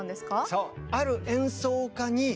そう。